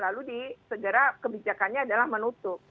lalu di segera kebijakannya adalah menutup